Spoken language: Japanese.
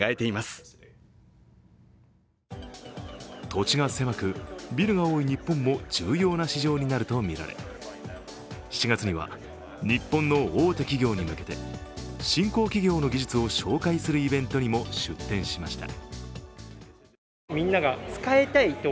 土地が狭く、ビルが多い日本も重要な市場になるとみられ７月には日本の大手企業に向けて新興企業の技術を紹介するイベントにも出展しました。